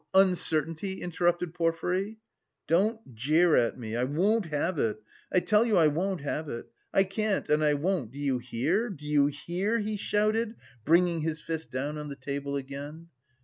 Uncertainty?" interrupted Porfiry. "Don't jeer at me! I won't have it! I tell you I won't have it. I can't and I won't, do you hear, do you hear?" he shouted, bringing his fist down on the table again.